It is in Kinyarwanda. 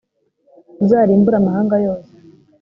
uzarimbure amahanga yose